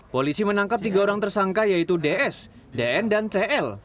polisi menangkap tiga orang tersangka yaitu ds dn dan cl